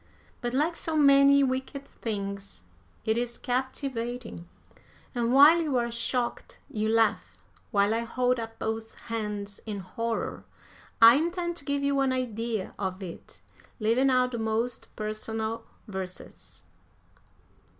But like so many wicked things it is captivating, and while you are shocked, you laugh. While I hold up both hands in horror, I intend to give you an idea of it; leaving out the most personal verses.